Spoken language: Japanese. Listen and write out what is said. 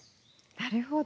なるほど。